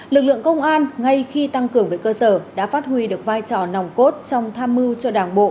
lực lượng công an ngay khi tăng cường về cơ sở đã phát huy được vai trò nòng cốt trong tham mưu cho đảng bộ